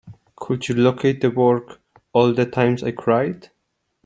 Could you locate the work, All the Times I Cried?